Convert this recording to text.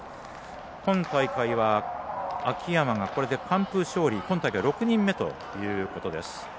今大会は秋山が、これで完封勝利が今大会６人目ということです。